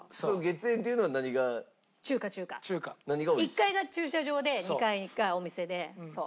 １階が駐車場で２階がお店でそう。